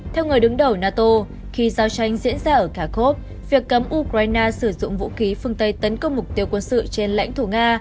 theo người đứng đầu nato khi giao tranh diễn ra ở cakov việc cấm ukraine sử dụng vũ khí phương tây tấn công mục tiêu quân sự trên lãnh thổ nga